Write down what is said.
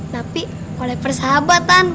tapi oleh persahabatan